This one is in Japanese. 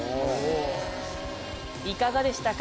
いかがでしたか？